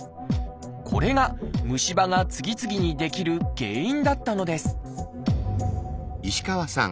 これが虫歯が次々に出来る原因だったのです